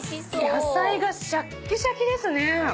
野菜がシャッキシャキですね。